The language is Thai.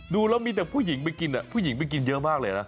ดูแล้วมีแต่ผู้หญิงไปกินผู้หญิงไปกินเยอะมากเลยนะ